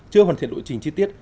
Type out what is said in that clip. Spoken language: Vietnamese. chưa hoàn thiện lộ trình chi tiết